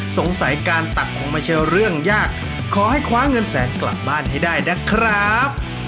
สงสัยการตักคงไม่ใช่เรื่องยากขอให้คว้าเงินแสนกลับบ้านให้ได้นะครับ